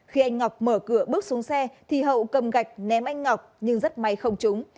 khi anh ngọc mở cửa bước xuống xe thì hậu cầm gạch ném anh ngọc nhưng rất may không trúng